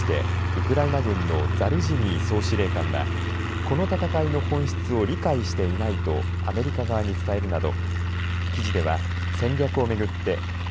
こうした考えに対してウクライナ軍のザルジニー総司令官はこの戦いの本質を理解していないとアメリカ側に伝えるなど